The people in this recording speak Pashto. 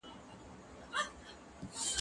زه باغ ته تللي دي!.